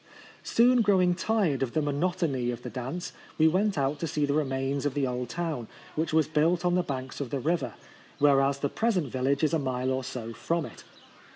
Soon growing tired of the monot ony of the dance, we went out to see the remains of the old town, which was built on the banks of the river, whereas the present vil lage is a mile or so from it.